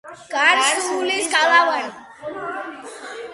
გარს უვლის გალავანი.